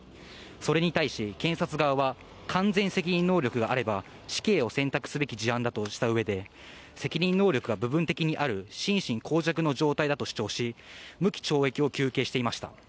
それに対し、検察側は完全責任能力があれば、死刑を選択すべき事案だとしたうえで、責任能力は部分的にある、心神耗弱の状態だと主張し、無期懲役を求刑していました。